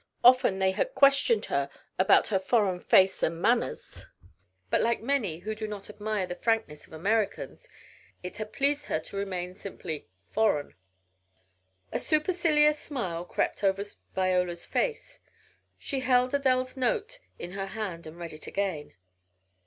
Often they had questioned her about her foreign face and manners, but like many who do not admire the frankness of Americans, it had pleased her to remain simply "foreign." A supercilious smile crept over Viola's face. She held Adele's note in her hand and read it again.